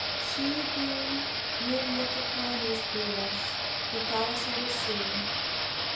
She whom you have looked upon is Thetis, the goddess of the sea.